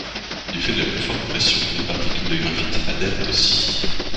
Du fait de la plus forte pression, les particules de graphite adhèrent aussi.